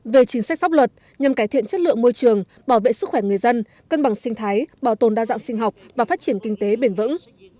về chính sách pháp luật nhằm cải thiện chất lượng môi trường bảo vệ sức khỏe người dân cân bằng sinh thái bảo tồn đa dạng sinh học và phát triển kinh tế bền vững